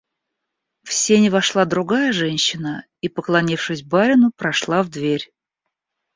В сени вошла другая женщина и, поклонившись барину, прошла в дверь.